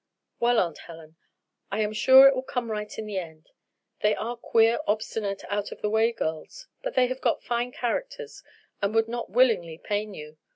"Well, Aunt Helen, I am sure it will come right in the end. They are queer, obstinate, out of the way girls; but they have got fine characters, and would not willingly pain you.